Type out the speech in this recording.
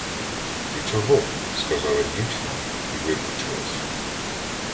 — Ти чого? — сказала дівчина й випручалась.